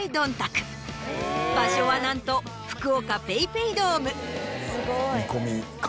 場所はなんと福岡ＰａｙＰａｙドーム。